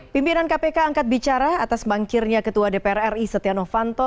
pimpinan kpk angkat bicara atas mangkirnya ketua dpr ri setia novanto